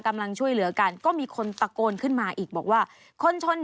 กำลังช่วยเหลือกัน